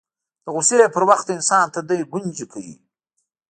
د غوسې پر وخت د انسان تندی ګونځې کوي